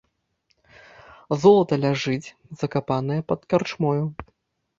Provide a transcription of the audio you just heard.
Золата ляжыць, закапанае пад карчмою.